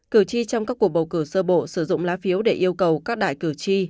cử tri trong các cuộc bầu cử sơ bộ sử dụng lá phiếu để yêu cầu các đại cử tri